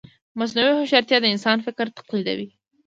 مصنوعي هوښیارتیا د انسان فکر تقلیدوي.